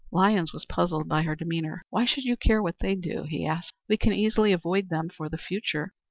Lyons was puzzled by her demeanor. "Why should you care what they do?" he asked. "We can easily avoid them for the future."